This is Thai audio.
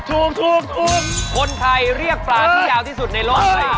ถูกคนไทยเรียกปลาที่ยาวที่สุดในโลกเลย